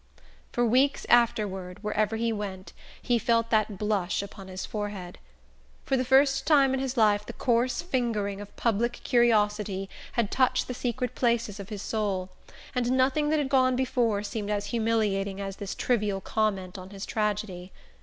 For weeks afterward, wherever he went, he felt that blush upon his forehead. For the first time in his life the coarse fingering of public curiosity had touched the secret places of his soul, and nothing that had gone before seemed as humiliating as this trivial comment on his tragedy.